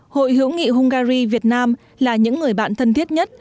hội hữu nghị hungary việt nam là những người bạn thân thiết nhất